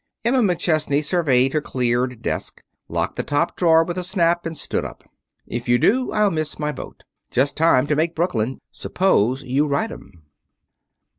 Emma McChesney surveyed her cleared desk, locked the top drawer with a snap, and stood up. "If you do I'll miss my boat. Just time to make Brooklyn. Suppose you write 'em."